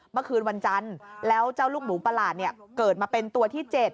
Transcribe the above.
เมื่อคืนวันจันทร์แล้วเจ้าลูกหมูประหลาดเกิดมาเป็นตัวที่๗